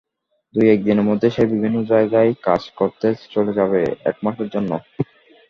দু-এক দিনের মধ্যে সে বিভিন্ন জায়গায় কাজ করতে চলে যাবে এক মাসের জন্য।